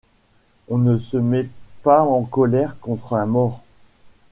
On ne se met pas en colère contre un mort.